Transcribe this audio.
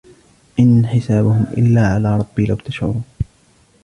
إن حسابهم إلا على ربي لو تشعرون